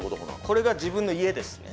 これが自分の家ですね。